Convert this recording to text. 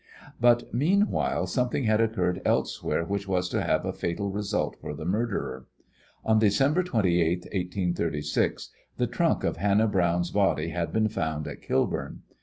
But, meanwhile, something had occurred elsewhere which was to have a fatal result for the murderer. On December 28th, 1836, the trunk of Hannah Browne's body had been found at Kilburn.